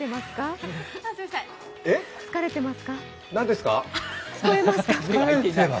疲れてます。